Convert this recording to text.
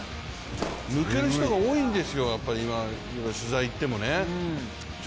抜ける人が多いんですよ、やっぱり、今取材行っても。